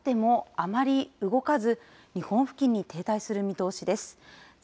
あす、あさっても、あまり動かず日本付近に停滞する見通しです。